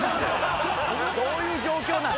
どういう状況なん？